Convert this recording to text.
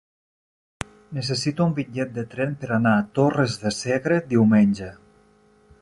Necessito un bitllet de tren per anar a Torres de Segre diumenge.